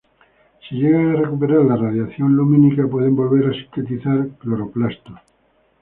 Si llegan a recuperar la radiación lumínica pueden volver a sintetizar cloroplastos.